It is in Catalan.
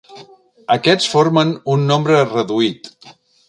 Aquests formen un nombre reduït.